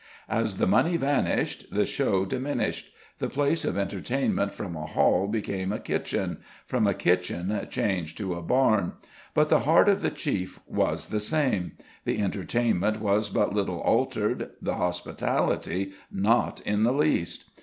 As the money vanished, the show diminished; the place of entertainment from a hall became a kitchen, from a kitchen changed to a barn; but the heart of the chief was the same; the entertainment was but little altered, the hospitality not in the least.